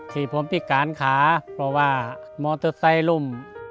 ที่ผมพิการขาเพราะว่ามอเตอร์ไซค์ล่ม